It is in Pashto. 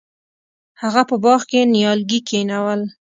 هغه په باغ کې نیالګي کینول.